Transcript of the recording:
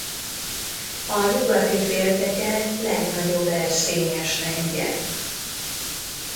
A nyugati félteke legnagyobb erszényes rendje.